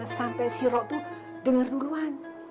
jangan sampai si rok tuh denger duluan